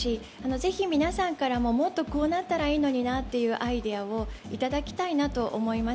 ぜひ皆さんからももっとこうなったらいいのになというアイデアをいただきたいなと思います。